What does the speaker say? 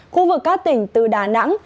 khu vực các tỉnh từ đà nẵng